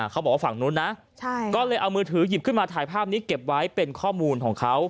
เขาบอกว่าฝั่งนู้นนะก็เลยเอามือถือหยิบขึ้นมาถ่ายภาพนี้เก็บไว้เป็นข้อมูลของเขา